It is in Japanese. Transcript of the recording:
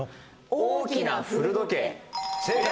『大きな古時計』正解！